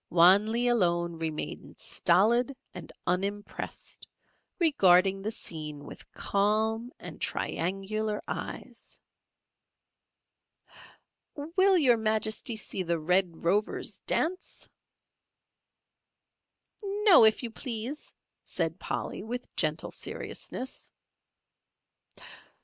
Wan Lee alone remained stolid and unimpressed, regarding the scene with calm and triangular eyes. "Will Your Majesty see the Red Rover's dance?" "No, if you please," said Polly, with gentle seriousness.